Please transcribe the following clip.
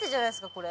これ。